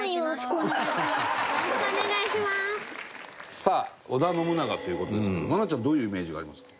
さあ織田信長という事ですけど愛菜ちゃんどういうイメージがありますか？